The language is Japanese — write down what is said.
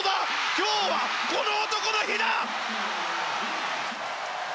今日はこの男の日だ！